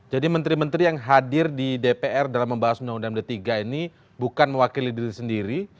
jadi menteri menteri yang hadir di dpr dalam membahas undang undang d tiga ini bukan mewakili diri sendiri